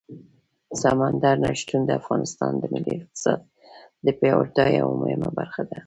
سمندر نه شتون د افغانستان د ملي اقتصاد د پیاوړتیا یوه مهمه برخه ده.